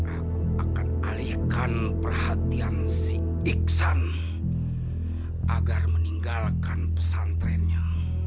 aku akan alihkan perhatian si iksan agar meninggalkan pesantrennya